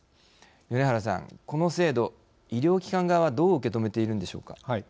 米原さん、この制度医療機関側はどう受け止めているのでしょうか。